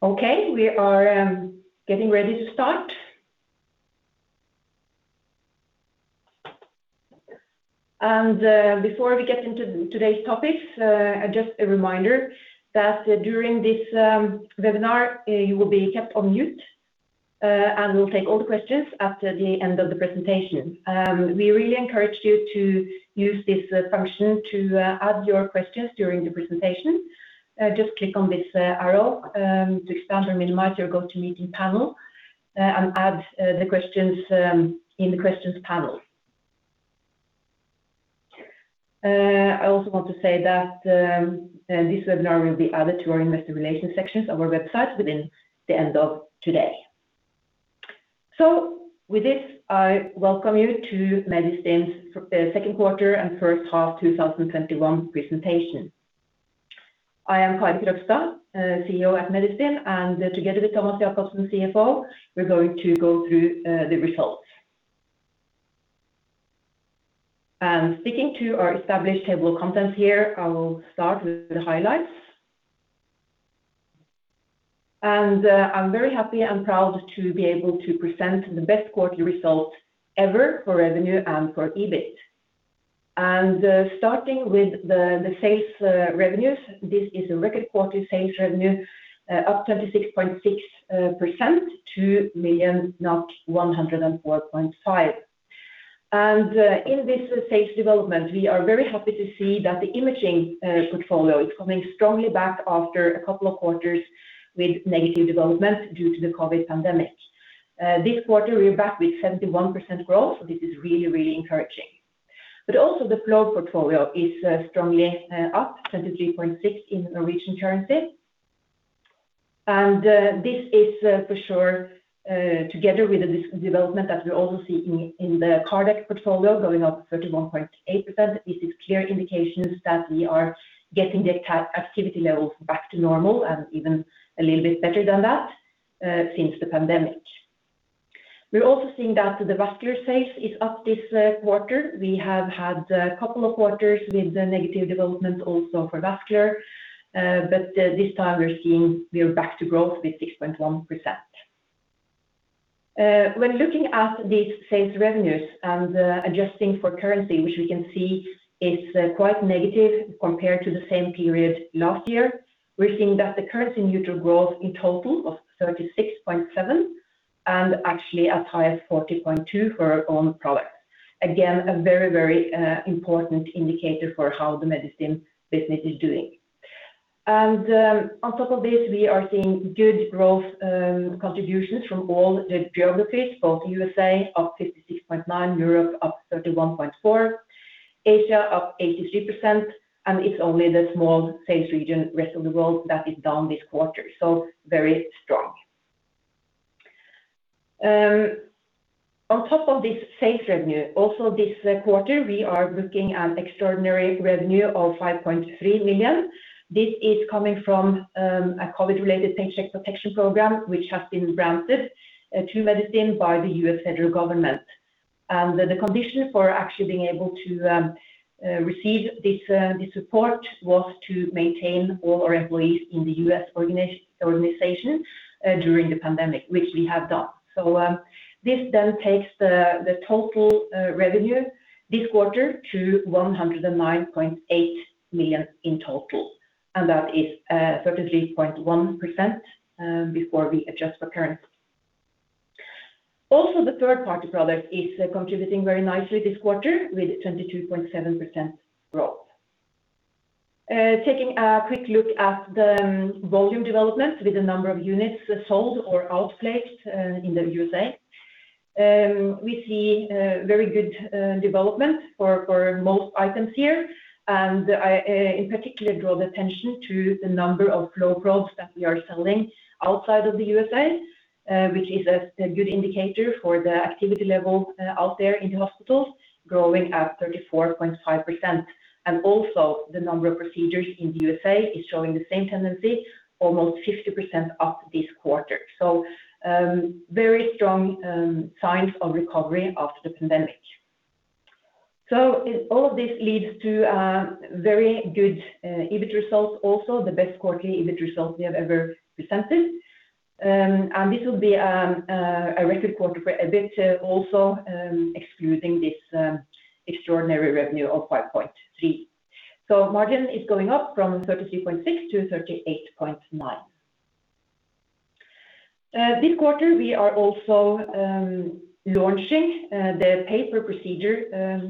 Okay, we are getting ready to start. Before we get into today's topics, just a reminder that during this webinar, you will be kept on mute, and we'll take all the questions after the end of the presentation. We really encourage you to use this function to add your questions during the presentation. Just click on this arrow to expand or minimize your GoTo Meeting panel and add the questions in the Questions panel. I also want to say that this webinar will be added to our Investor Relations sections of our website within the end of today. With this, I welcome you to Medistim's second quarter and first half 2021 presentation. I am Kari Krogstad, CEO at Medistim, and together with Thomas Jakobsen, CFO, we're going to go through the results. Sticking to our established table of contents here, I will start with the highlights. I'm very happy and proud to be able to present the best quarterly results ever for revenue and for EBIT. Starting with the sales revenues, this is a record quarter sales revenue up 36.6% to 104.5 million. In this sales development, we are very happy to see that the imaging portfolio is coming strongly back after a couple of quarters with negative development due to the COVID pandemic. This quarter, we're back with 71% growth. This is really, really encouraging. Also the flow portfolio is strongly up 23.6% in Norwegian currency. This is for sure together with the development that we're also seeing in the cardiac portfolio going up 31.8%. This is clear indications that we are getting the activity levels back to normal and even a little bit better than that since the pandemic. We're also seeing that the vascular sales is up this quarter. We have had a couple of quarters with negative development also for vascular. This time we're seeing we are back to growth with 6.1%. When looking at these sales revenues and adjusting for currency, which we can see is quite negative compared to the same period last year. We're seeing that the currency neutral growth in total of 36.7% and actually as high as 40.2% for our own products. Again, a very important indicator for how the Medistim business is doing. On top of this, we are seeing good growth contributions from all the geographies, both USA up 56.9%, Europe up 31.4%, Asia up 83%, and it's only the small sales region rest of the world that is down this quarter. Very strong. On top of this sales revenue, also this quarter, we are looking at extraordinary revenue of 5.3 million. This is coming from a COVID-related Paycheck Protection Program, which has been granted to Medistim by the U.S. federal government. The condition for actually being able to receive this support was to maintain all our employees in the U.S. organization during the pandemic, which we have done. This then takes the total revenue this quarter to 109.8 million in total, and that is 33.1% before we adjust for currency. Also, the third-party product is contributing very nicely this quarter with 22.7% growth. Taking a quick look at the volume development with the number of units sold or outplaced in the USA. We see very good development for most items here. I in particular draw the attention to the number of flow probes that we are selling outside of the USA, which is a good indicator for the activity level out there in the hospitals growing at 34.5%. Also, the number of procedures in the USA is showing the same tendency almost 50% up this quarter. Very strong signs of recovery after the pandemic. All of this leads to very good EBIT results. Also, the best quarterly EBIT results we have ever presented. This will be a record quarter for EBIT also excluding this extraordinary revenue of 5.3. Margin is going up from 33.6% to 38.9%. This quarter, we are also launching the pay per procedure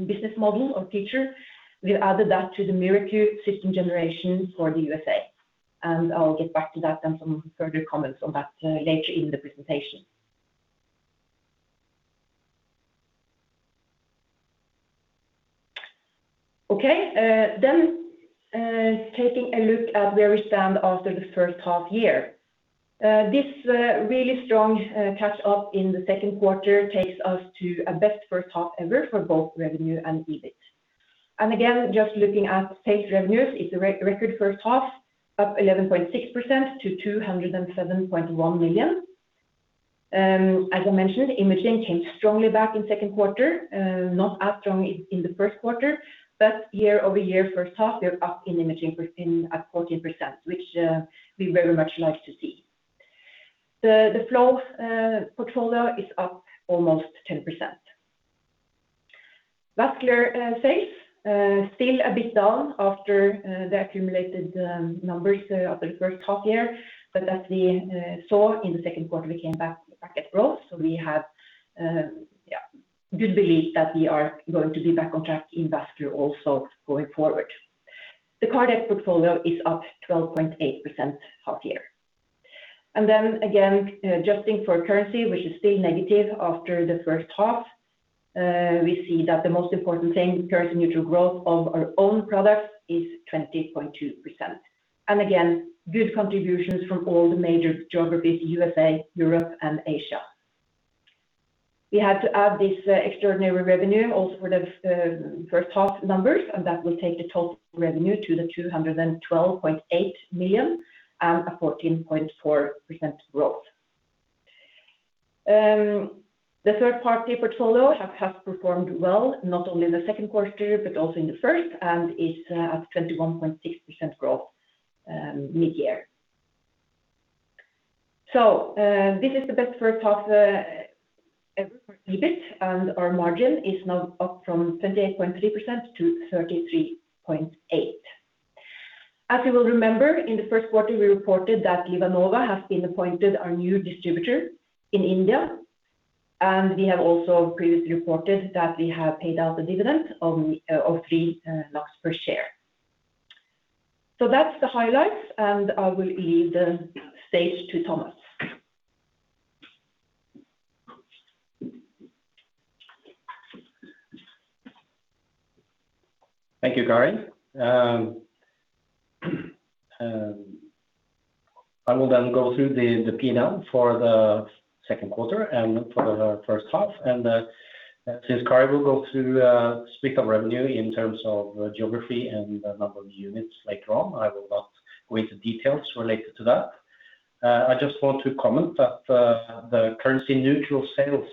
business model or feature. We've added that to the MiraQ system generation for the USA. I'll get back to that and some further comments on that later in the presentation. Okay. Taking a look at where we stand after the first half year. This really strong catch up in the second quarter takes us to a best first half ever for both revenue and EBIT. Again, just looking at sales revenues, it's a record first half up 11.6% to 207.1 million. As I mentioned, imaging came strongly back in second quarter. Not as strong in the first quarter, but year-over-year first half, we are up in imaging at 14%, which we very much like to see. The flow portfolio is up almost 10%. Vascular sales, still a bit down after the accumulated numbers of the first half year, but as we saw in the second quarter, we came back at growth. We have good belief that we are going to be back on track in vascular also going forward. The cardiac portfolio is up 12.8% half year. Again, adjusting for currency, which is still negative after the first half, we see that the most important thing, currency-neutral growth of our own products, is 20.2%. Again, good contributions from all the major geographies, USA, Europe and Asia. We had to add this extraordinary revenue also for the first half numbers, and that will take the total revenue to 212.8 million and a 14.4% growth. The third-party portfolio has performed well, not only in the second quarter but also in the first, and is at 21.6% growth mid-year. This is the best first half ever for EBIT, and our margin is now up from 28.3% to 33.8%. As you will remember, in the first quarter, we reported that LivaNova has been appointed our new distributor in India. We have also previously reported that we have paid out a dividend of 3 NOK per share. That's the highlights, and I will leave the stage to Thomas. Thank you, Kari. I will go through the P&L for the second quarter and for the first half. Since Kari will speak of revenue in terms of geography and the number of units later on, I will not go into details related to that. I just want to comment that the currency-neutral sales,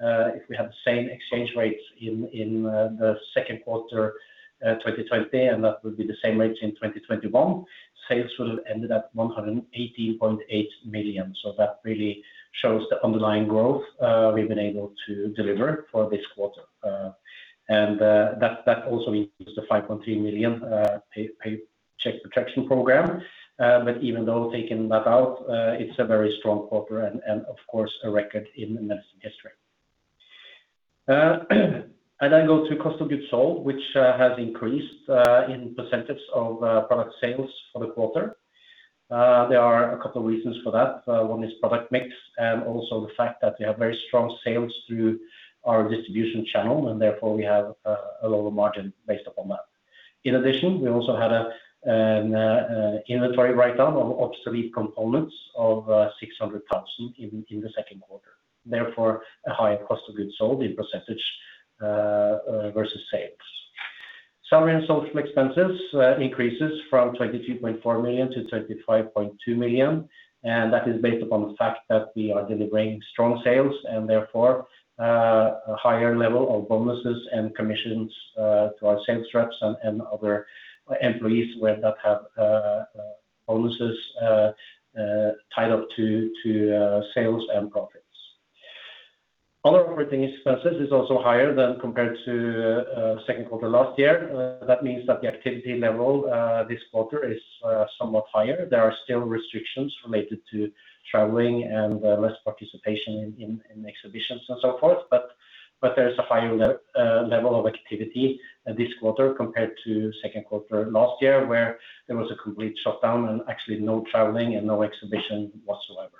if we have the same exchange rates in the second quarter 2020, and that would be the same rates in 2021, sales would have ended at 118.8 million. That really shows the underlying growth we've been able to deliver for this quarter. That also includes the 5.3 million Paycheck Protection Program. Even though taking that out, it's a very strong quarter and of course, a record in Medistim history. I go to cost of goods sold, which has increased in percentage of product sales for the quarter. There are a couple of reasons for that. One is product mix, and also the fact that we have very strong sales through our distribution channel, and therefore we have a lower margin based upon that. In addition, we also had an inventory write-down of obsolete components of 600,000 in the second quarter, therefore a higher cost of goods sold in percentage versus sales. Salary and social expenses increases from 22.4 million to 25.2 million, and that is based upon the fact that we are delivering strong sales and therefore a higher level of bonuses and commissions to our sales reps and other employees that have bonuses tied up to sales and profits. Other operating expenses is also higher than compared to second quarter last year. That means that the activity level this quarter is somewhat higher. There are still restrictions related to traveling and less participation in exhibitions and so forth, There's a higher level of activity this quarter compared to 2Q last year, where there was a complete shutdown and actually no traveling and no exhibition whatsoever.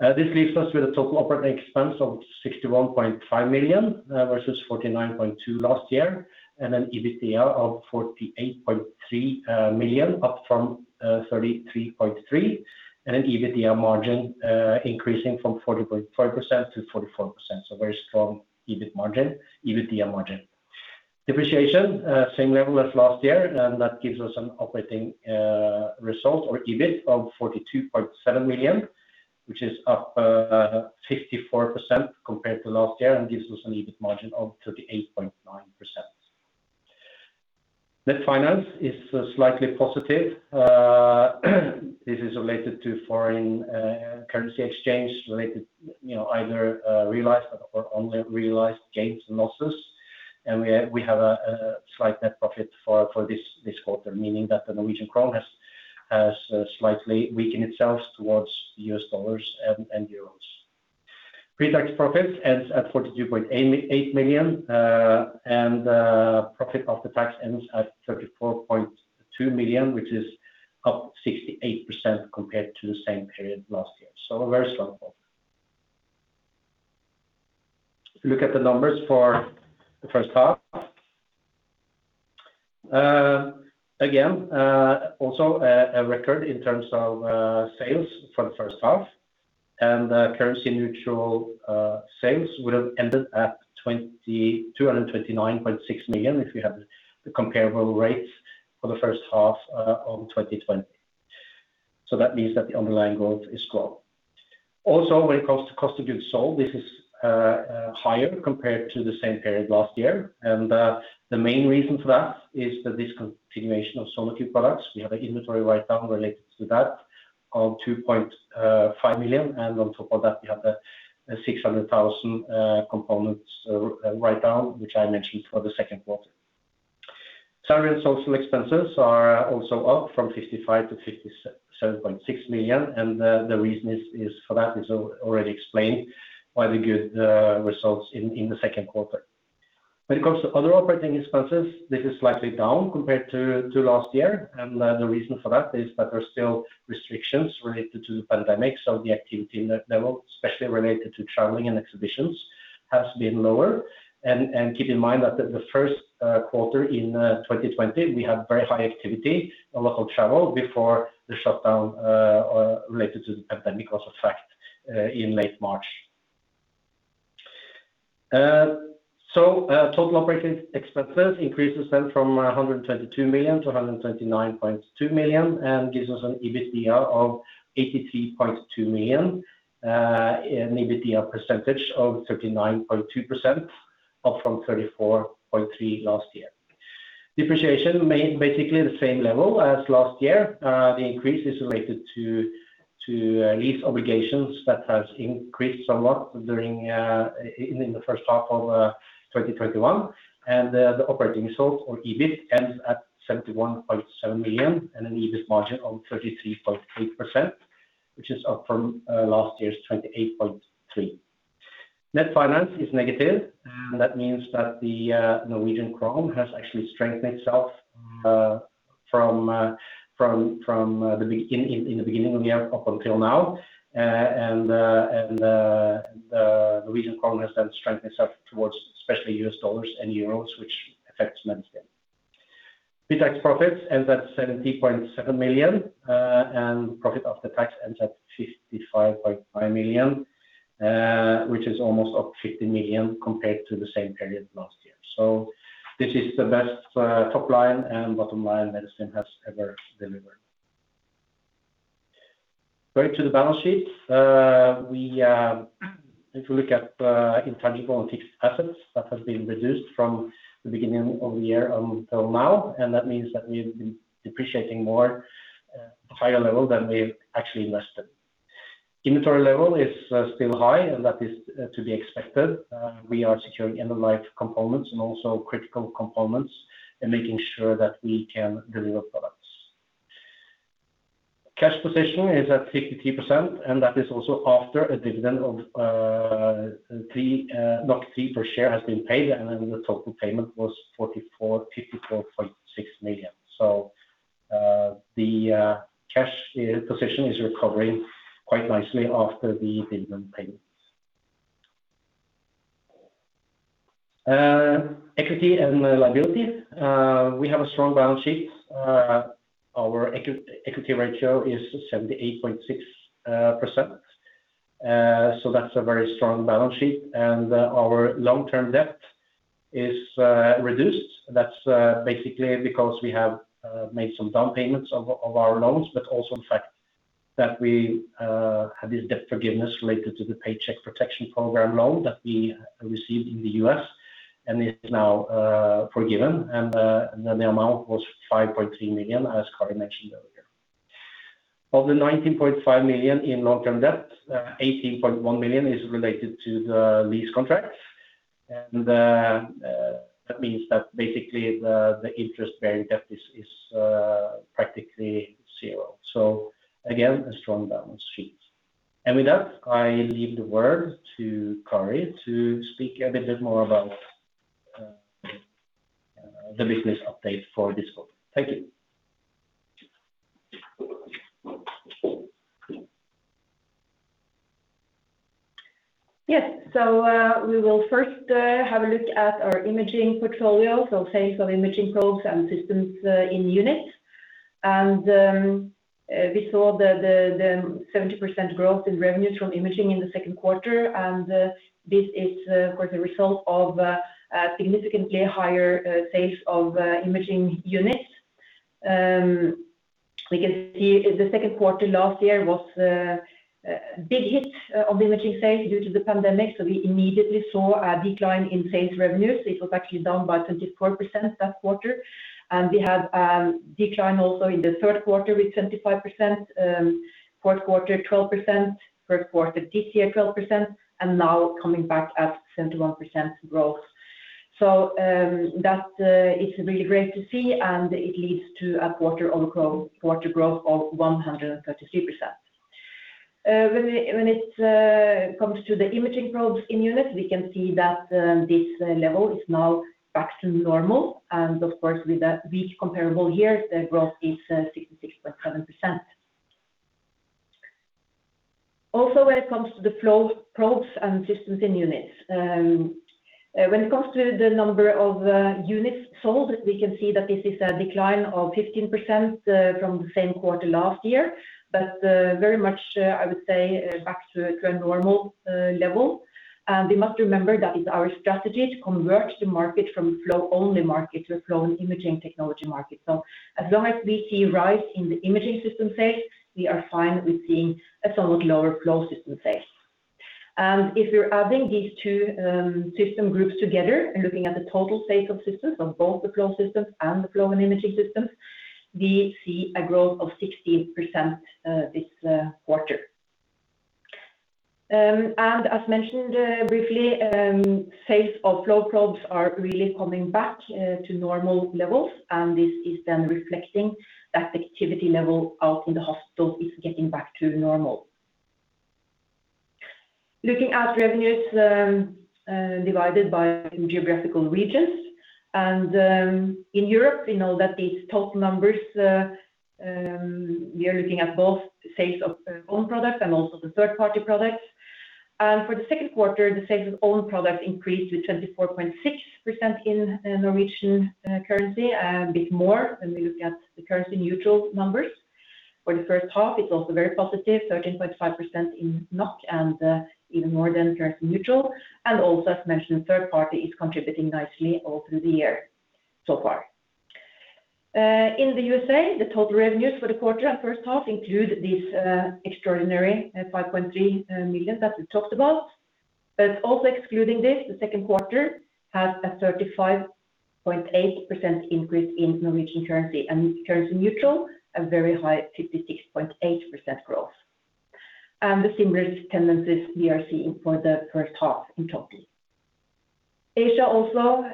This leaves us with a total operating expense of 61.5 million versus 49.2 million last year, and an EBITDA of 48.3 million, up from 33.3 million, and an EBITDA margin increasing from 40.4% to 44%. Very strong EBIT margin, EBITDA margin. Depreciation, same level as last year, That gives us an operating result or EBIT of 42.7 million, which is up 54% compared to last year and gives us an EBIT margin of 38.9%. Net finance is slightly positive. This is related to foreign currency exchange related, either realized or unrealized gains and losses. We have a slight net profit for this quarter, meaning that the Norwegian krone has slightly weakened itself towards the US dollars and euros. Pre-tax profit ends at 42.8 million, and profit after tax ends at 34.2 million, which is up 68% compared to the same period last year. A very strong profit. Look at the numbers for the first half. Again, also a record in terms of sales for the first half, and currency-neutral sales would have ended at 229.6 million if you have the comparable rates for the first half of 2020. That means that the underlying growth is strong. Also, when it comes to cost of goods sold, this is higher compared to the same period last year. The main reason for that is the discontinuation of SonoWand products. We have an inventory write-down related to that of 2.5 million, and on top of that, we have the 600,000 components write-down, which I mentioned for the second quarter. Selling, general and administrative expenses are also up from 55 million to 57.6 million. The reason for that is already explained by the good results in the second quarter. When it comes to other operating expenses, this is slightly down compared to last year. The reason for that is that there's still restrictions related to the pandemic. The activity in that level, especially related to traveling and exhibitions, has been lower. Keep in mind that the first quarter in 2020, we had very high activity and a lot of travel before the shutdown related to the pandemic also fell in late March. Total operating expenses increases from 122 million to 129.2 million and gives us an EBITDA of 83.2 million, and EBITDA percentage of 39.2%, up from 34.3% last year. Depreciation, basically the same level as last year. The increase is related to lease obligations that has increased somewhat in the first half of 2021. The operating result or EBIT ends at 71.7 million and an EBIT margin of 33.8%, which is up from last year's 28.3%. Net finance is negative, that means that the Norwegian Krone has actually strengthened itself in the beginning of the year up until now. The Norwegian Krone has strengthened itself towards especially U.S. dollars and euros, which affects Medistim. Pre-tax profits ends at 70.7 million, profit after tax ends at 55.5 million, which is almost up 50 million compared to the same period last year. This is the best top line and bottom line Medistim has ever delivered. Going to the balance sheet. If you look at intangible and fixed assets, that has been reduced from the beginning of the year until now, and that means that we've been depreciating more at a higher level than we've actually invested. Inventory level is still high, and that is to be expected. We are securing end-of-life components and also critical components and making sure that we can deliver products. Cash position is at 53%, and that is also after a dividend of 3 per share has been paid, and then the total payment was 54.6 million. The cash position is recovering quite nicely after the dividend payments. Equity and liability. We have a strong balance sheet. Our equity ratio is 78.6%, so that's a very strong balance sheet. Our long-term debt is reduced. That's basically because we have made some down payments of our loans, but also the fact that we have this debt forgiveness related to the Paycheck Protection Program loan that we received in the U.S. and is now forgiven. The amount was 5.3 million, as Kari mentioned earlier. Of the 19.5 million in long-term debt, 18.1 million is related to the lease contracts. That means that basically the interest-bearing debt is practically zero. Again, a strong balance sheet. With that, I leave the word to Kari to speak a little bit more about the business update for this quarter. Thank you. Yes. We will first have a look at our imaging portfolio, so sales of imaging probes and systems in units. We saw the 70% growth in revenues from imaging in the second quarter, and this is, of course, a result of significantly higher sales of imaging units. We can see the second quarter last year was a big hit of the imaging sales due to the pandemic, so we immediately saw a decline in sales revenues. It was actually down by 24% that quarter. We had a decline also in the third quarter with 25%, fourth quarter, 12%, first quarter this year, 12%, and now coming back at 71% growth. That is really great to see, and it leads to a quarter-over-quarter growth of 133%. When it comes to the imaging probes in units, we can see that this level is now back to normal. Of course, with that weak comparable years, the growth is 66.7%. Also, when it comes to the flow probes and systems, when it comes to the number of units sold, we can see that this is a decline of 15% from the same quarter last year. Very much, I would say, back to a normal level. We must remember that it's our strategy to convert the market from flow only market to flow and imaging technology market. As long as we see rise in the imaging system sales, we are fine with seeing a somewhat lower flow system sales. If we're adding these two system groups together and looking at the total sales of systems, both the flow systems and the flow and imaging systems, we see a growth of 16% this quarter. As mentioned briefly, sales of flow probes are really coming back to normal levels. This is then reflecting that the activity level out in the hospital is getting back to normal. Looking at revenues divided by geographical regions. In Europe, we know that these total numbers, we are looking at both sales of own products and also the third-party products. For the second quarter, the sales of own products increased to 24.6% in Norwegian currency and a bit more when we look at the currency neutral numbers. For the first half, it's also very positive, 13.5% in NOK and even more than currency neutral. Also, as mentioned, third party is contributing nicely all through the year so far. In the U.S.A., the total revenues for the quarter and first half include these extraordinary 5.3 million that we talked about. Also excluding this, the second quarter had a 35.8% increase in NOK, and currency neutral, a very high 56.8% growth. The similar tendencies we are seeing for the first half in total. Asia also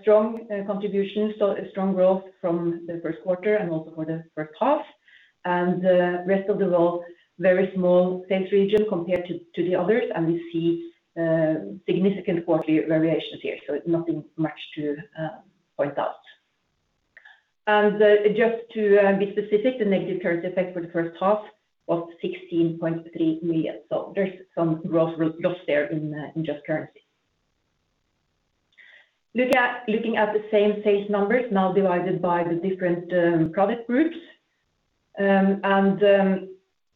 strong contribution, still a strong growth from the first quarter and also for the first half. The rest of the world, very small sales region compared to the others, we see significant quarterly variations here, nothing much to point out. Just to be specific, the negative currency effect for the first half was 16.3 million. There's some growth lost there in just currency. Looking at the same sales numbers now divided by the different product groups.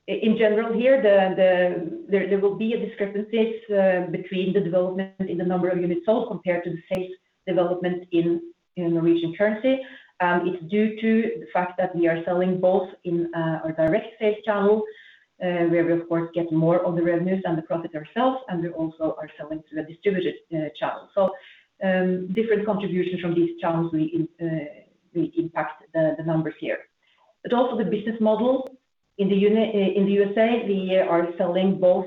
In general here, there will be a discrepancies between the development in the number of units sold compared to the sales development in NOK. It's due to the fact that we are selling both in our direct sales channel, where we of course get more of the revenues and the profit ourselves, and we also are selling to the distributed channel. Different contributions from these channels will impact the numbers here. Also the business model in the USA, we are selling both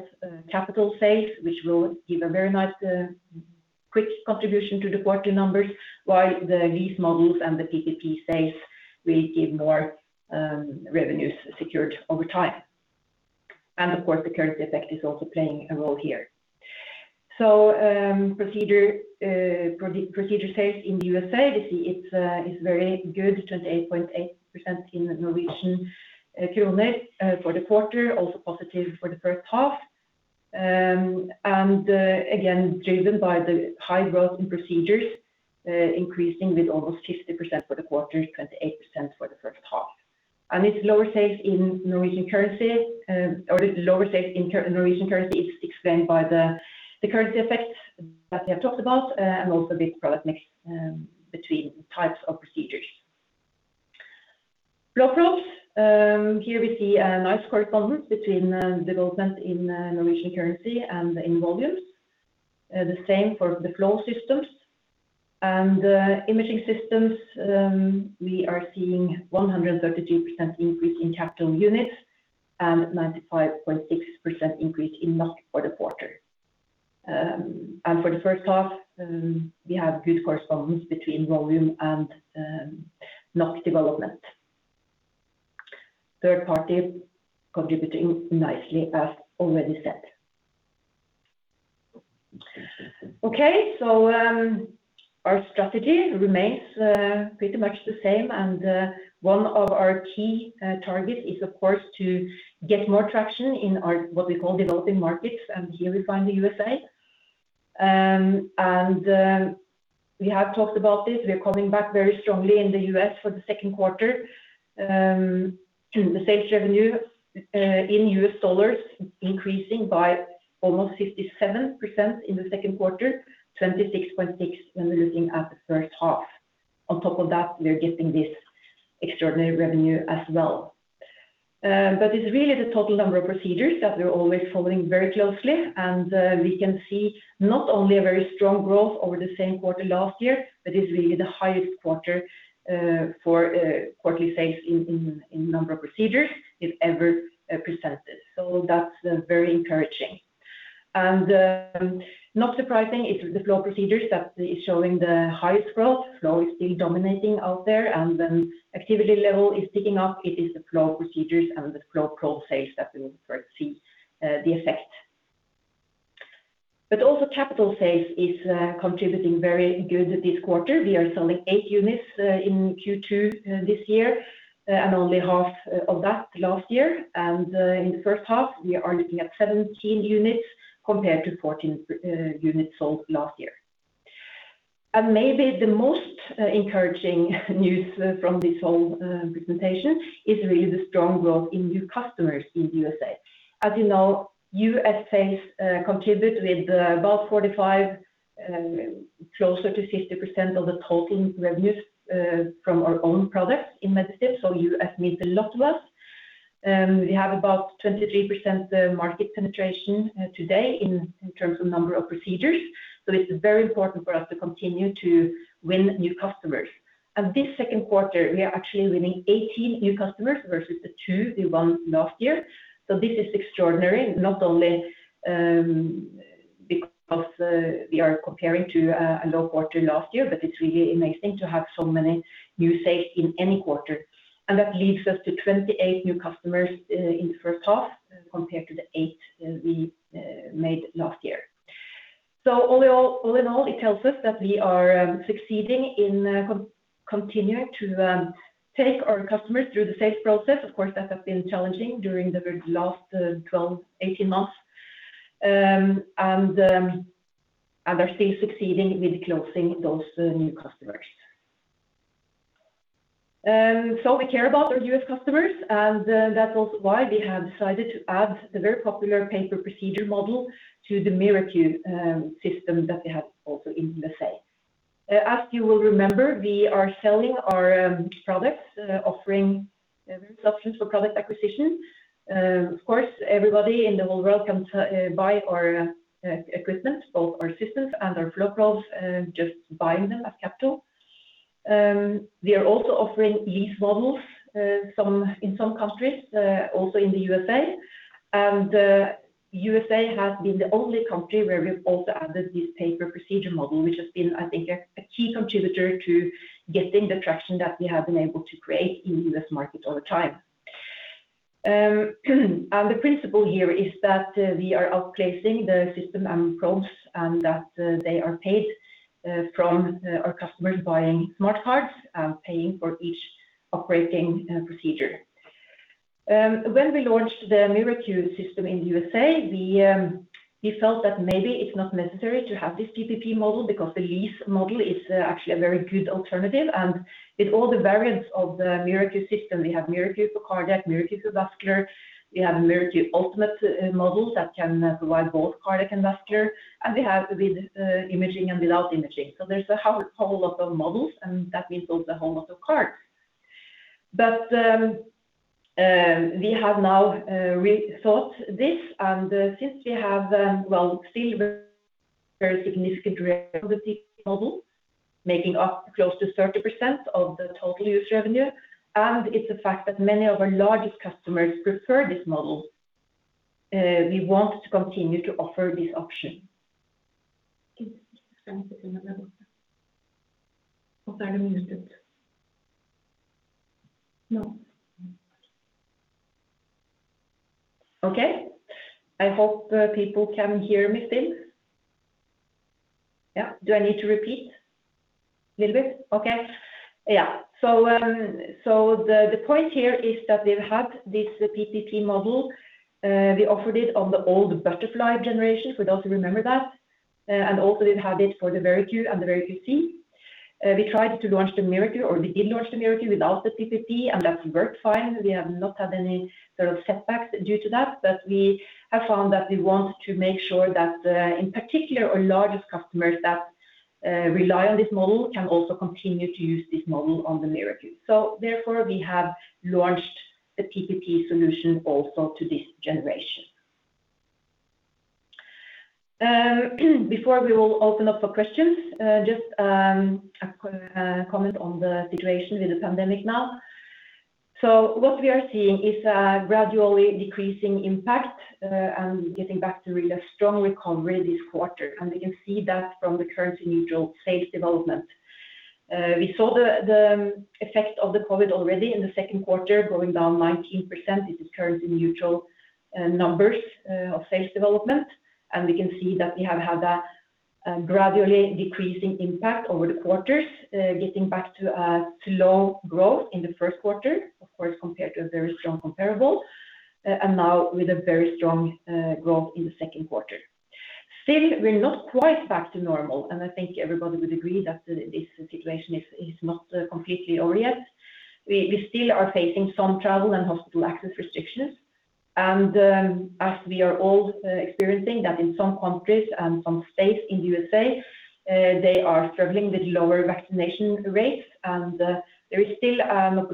capital sales, which will give a very nice quick contribution to the quarterly numbers, while the lease models and the PPP sales will give more revenues secured over time. Of course, the currency effect is also playing a role here. Procedure sales in the USA, we see it's very good, 28.8% in Norwegian kroner for the quarter. Also positive for the first half. Again, driven by the high growth in procedures, increasing with almost 50% for the quarter, 28% for the first half. This lower sales in NOK is explained by the currency effect that we have talked about and also this product mix between types of procedures. Flow probes. Here we see a nice correspondence between development in NOK and in volumes. The same for the flow systems. Imaging systems, we are seeing 132% increase in capital units and 95.6% increase in NOK for the quarter. For the first half, we have good correspondence between volume and NOK development. Third party contributing nicely as already said. Our strategy remains pretty much the same. One of our key targets is, of course, to get more traction in our what we call developing markets, and here we find the U.S. We have talked about this. We are coming back very strongly in the U.S. for the second quarter. The sales revenue in US dollars increasing by almost 57% in the second quarter, 26.6% when we're looking at the first half. On top of that, we are getting this extraordinary revenue as well. It's really the total number of procedures that we're always following very closely. We can see not only a very strong growth over the same quarter last year, but it's really the highest quarter for quarterly sales in number of procedures it ever presented. That's very encouraging. Not surprising, it's the flow procedures that is showing the highest growth. Flow is still dominating out there, and when activity level is picking up, it is the flow procedures and the flow probe sales that we first see the effect. Also capital sales is contributing very good this quarter. We are selling eight units in Q2 this year and only half of that last year. In the first half, we are looking at 17 units compared to 14 units sold last year. Maybe the most encouraging news from this whole presentation is really the strong growth in new customers in the USA. As you know, USA contributes with about 45, closer to 50% of the total revenues from our own products in Medistim. USA means a lot to us. We have about 23% market penetration today in terms of number of procedures. It's very important for us to continue to win new customers. This second quarter, we are actually winning 18 new customers versus the two we won last year. This is extraordinary, not only because we are comparing to a low quarter last year, but it's really amazing to have so many new sales in any quarter. That leads us to 28 new customers in the first half compared to the eight we made last year. All in all, it tells us that we are succeeding in continuing to take our customers through the sales process. Of course, that has been challenging during the very last 12, 18 months. Are still succeeding with closing those new customers. We care about our U.S. customers, and that's also why we have decided to add the very popular pay per procedure model to the MiraQ system that we have also in the U.S. As you will remember, we are selling our products, offering solutions for product acquisition. Of course, everybody in the whole world can buy our equipment, both our systems and our flow probes, just buying them as capital. We are also offering lease models in some countries, also in the USA. The USA has been the only country where we've also added this pay per procedure model, which has been, I think, a key contributor to getting the traction that we have been able to create in the U.S. market over time. The principle here is that we are outplacing the system and probes, and that they are paid from our customers buying smart cards, paying for each operating procedure. When we launched the MiraQ system in the USA, we felt that maybe it's not necessary to have this PPP model because the lease model is actually a very good alternative. With all the variants of the MiraQ system, we have MiraQ for cardiac, MiraQ for vascular. We have MiraQ Ultimate models that can provide both cardiac and vascular, and we have with imaging and without imaging. There's a whole lot of models, and that means also a whole lot of cards. We have now rethought this, and since we have, well, still very significant revenue with this model making up close to 30% of the total U.S. revenue, and it's a fact that many of our largest customers prefer this model, we want to continue to offer this option. I hope people can hear me still. Do I need to repeat a little bit? The point here is that we've had this PPP model. We offered it on the old Butterfly generation, for those who remember that, and also we've had it for the VeriQ and the VeriQ C. We tried to launch the MiraQ, or we did launch the MiraQ without the PPP, and that worked fine. We have not had any sort of setbacks due to that. We have found that we want to make sure that, in particular, our largest customers that rely on this model can also continue to use this model on the MiraQ. Therefore, we have launched the PPP solution also to this generation. Before we will open up for questions, just a comment on the situation with the pandemic now. What we are seeing is a gradually decreasing impact, and getting back to really a strong recovery this quarter. We can see that from the currency-neutral sales development. We saw the effect of the COVID already in the second quarter, going down 19%. This is currency-neutral numbers of sales development. We can see that we have had a gradually decreasing impact over the quarters, getting back to low growth in the first quarter, of course, compared to a very strong comparable, and now with a very strong growth in the second quarter. Still, we're not quite back to normal, and I think everybody would agree that this situation is not completely over yet. We still are facing some travel and hospital access restrictions. As we are all experiencing that in some countries and some states in the USA, they are struggling with lower vaccination rates, and there is still a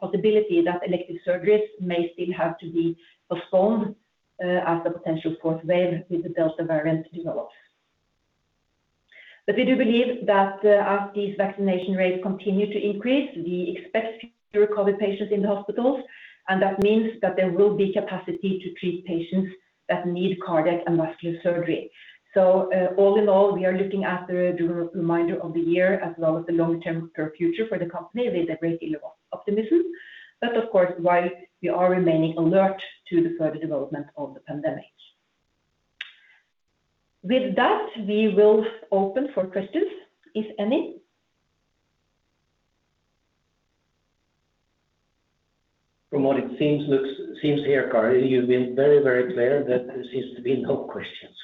possibility that elective surgeries may still have to be postponed as a potential fourth wave with the Delta variant develops. We do believe that as these vaccination rates continue to increase, we expect to see COVID patients in the hospitals, and that means that there will be capacity to treat patients that need cardiac and vascular surgery. All in all, we are looking at the remainder of the year as well as the long-term future for the company with a great deal of optimism. Of course, while we are remaining alert to the further development of the pandemic. With that, we will open for questions, if any. From what it seems here, Kari, you've been very clear that there seems to be no questions.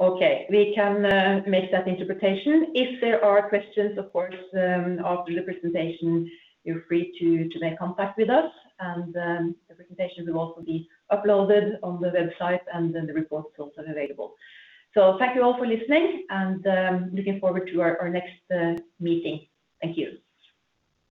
Okay. We can make that interpretation. If there are questions, of course, after the presentation, you're free to make contact with us. The presentation will also be uploaded on the website, and then the report is also available. Thank you all for listening and looking forward to our next meeting. Thank you.